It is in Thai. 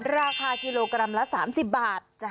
ราคากิโลกรัมละ๓๐บาท